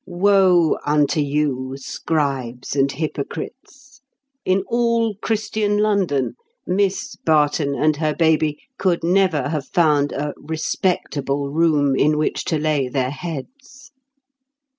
Woe unto you, scribes and hypocrites! in all Christian London, Miss Barton and her baby could never have found a "respectable" room in which to lay their heads.